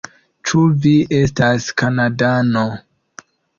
Ĉu vi estas Kanadano?